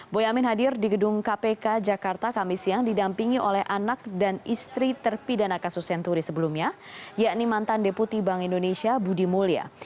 boyamin hadir di gedung kpk jakarta kami siang didampingi oleh anak dan istri terpidana kasus senturi sebelumnya yakni mantan deputi bank indonesia budi mulya